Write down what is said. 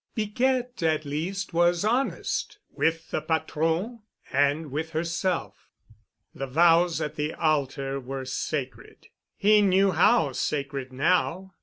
Piquette at least was honest—with the patron and with herself. The vows at the altar were sacred. He knew how sacred now.